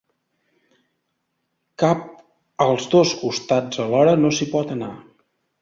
Cap als dos costats alhora no s’hi pot anar.